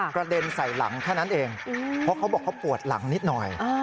กระเด็นใส่หลังแค่นั้นเองเพราะเขาบอกเขาปวดหลังนิดหน่อย